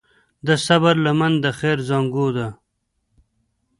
د صبر لمن د خیر زانګو ده.